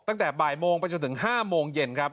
ตั้งแต่บ่ายโมงไปจนถึง๕โมงเย็นครับ